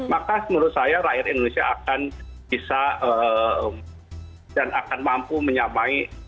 maka menurut saya rakyat indonesia akan bisa dan akan mampu menyamai